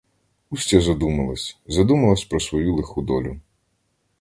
Устя задумалась; задумалась про свою лиху долю.